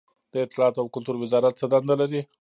د اطلاعاتو او کلتور وزارت څه دنده لري؟